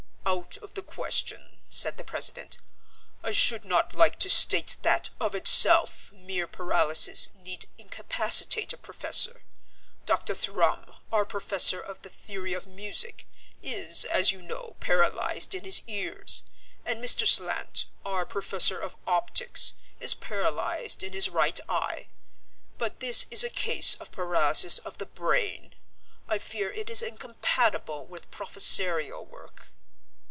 "Out of the question," said the president. "I should not like to state that of itself mere paralysis need incapacitate a professor. Dr. Thrum, our professor of the theory of music, is, as you know, paralysed in his ears, and Mr. Slant, our professor of optics, is paralysed in his right eye. But this is a case of paralysis of the brain. I fear it is incompatible with professorial work."